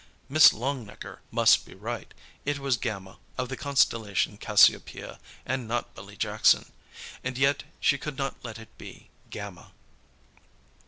Miss Longnecker must be right; it was Gamma, of the constellation Cassiopeia, and not Billy Jackson. And yet she could not let it be Gamma.